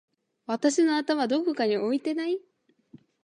私の頭どこかに置いてない？！